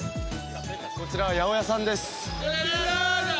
こちらは八百屋さんです